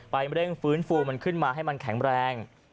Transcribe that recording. เร่งฟื้นฟูมันขึ้นมาให้มันแข็งแรง